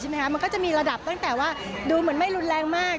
มันก็จะมีระดับตั้งแต่ว่าดูเหมือนไม่รุนแรงมาก